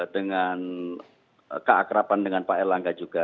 dengan keakrapan dengan pak erlangga juga